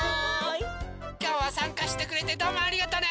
きょうはさんかしてくれてどうもありがとね。